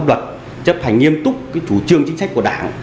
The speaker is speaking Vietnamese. pháp luật chấp hành nghiêm túc chủ trương chính sách của đảng